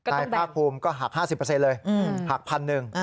นายภากภูมิก็หัก๕๐เลยหัก๑๐๐๐บาท